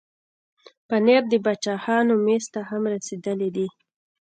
پنېر د باچاهانو مېز ته هم رسېدلی دی.